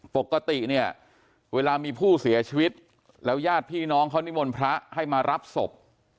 ปกติเนี่ยเวลามีผู้เสียชีวิตแล้วญาติพี่น้องเขานิมนต์พระให้มารับศพ